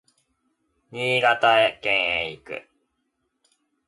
新潟県へ行く